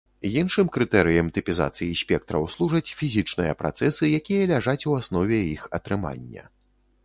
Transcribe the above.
Іншым крытэрыем тыпізацыі спектраў служаць фізічныя працэсы, якія ляжаць у аснове іх атрымання.